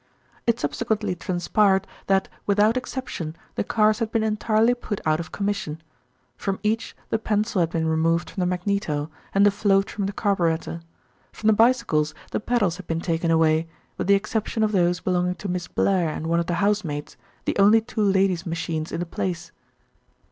It subsequently transpired that without exception the cars had been entirely put out of commission. From each the pencil had been removed from the magneto, and the float from the carburettor. From the bicycles the pedals had been taken away, with the exception of those belonging to Miss Blair and one of the housemaids, the only two ladies' machines in the place.